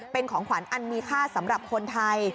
เป็นของขวัญอันมีค่าสำหรับคนไทย